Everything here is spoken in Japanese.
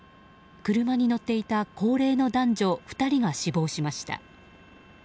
車に乗っていた高齢の男女２人が死亡しました。